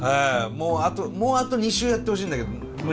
もうあともうあと２週やってほしいんだけど無理ですよね。